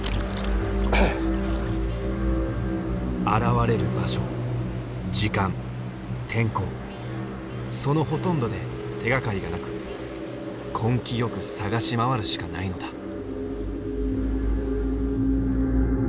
現れる場所時間天候そのほとんどで手がかりがなく根気よく探し回るしかないのだ。